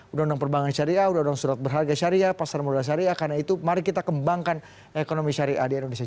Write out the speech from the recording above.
undang undang perbankan syariah undang undang surat berharga syariah pasar modal syariah karena itu mari kita kembangkan ekonomi syariah di indonesia